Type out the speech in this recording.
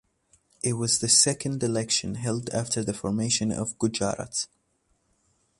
It was the second election held after formation of Gujarat.